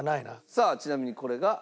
さあちなみにこれが。